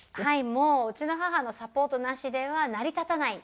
もううちの母のサポートなしでは成り立たない。